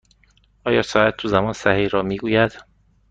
آیا ساعت تو زمان صحیح را می گوید؟